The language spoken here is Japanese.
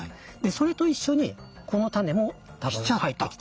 それと一緒にこの種も多分入ってきた。